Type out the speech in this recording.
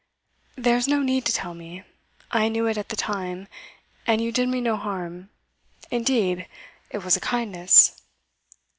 'There's no need to tell me. I knew it at the time, and you did me no harm. Indeed, it was a kindness.